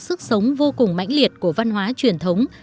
sức sống vô cùng mãnh liệt của văn hóa truyền thống